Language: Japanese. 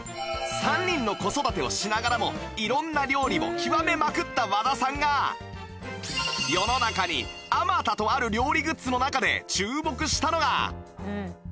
３人の子育てをしながらも色んな料理を極めまくった和田さんが世の中にあまたとある料理グッズの中で注目したのが